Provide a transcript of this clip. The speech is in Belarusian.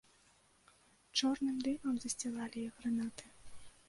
Чорным дымам засцілалі іх гранаты.